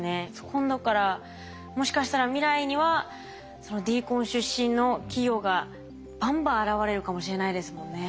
今度からもしかしたら未来にはＤＣＯＮ出身の企業がバンバン現れるかもしれないですもんね。